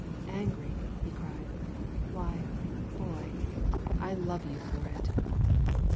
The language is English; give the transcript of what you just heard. "Angry!" he cried. "Why, boy, I love you for it.'